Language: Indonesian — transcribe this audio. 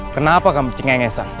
kenapa kamu cengengesan